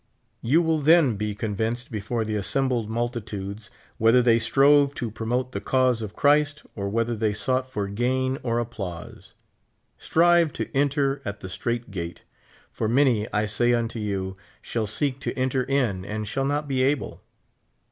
You will then be convinced before the assembled multitudes whether they strove to promote the cause of Christ or whether they sought for gain or applause, " Strive to enter at the straight gate ; for many, I say unto you, shall seek to enter in and shall not be able.